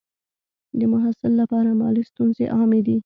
د محصل لپاره مالي ستونزې عامې دي.